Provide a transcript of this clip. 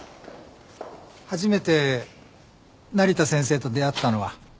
初めて成田先生と出会ったのは。